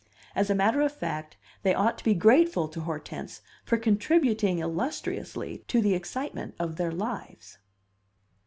As a matter of fact, they ought to be grateful to Hortense for contributing illustriously to the excitement of their lives.